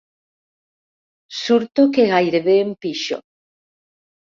Surto que gairebé em pixo.